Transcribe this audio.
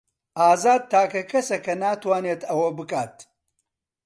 ئازاد تاکە کەسە کە ناتوانێت ئەوە بکات.